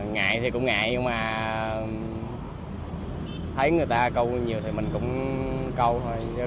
ngày thì cũng ngại nhưng mà thấy người ta câu nhiều thì mình cũng câu thôi